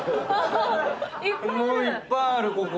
いっぱいあるここ。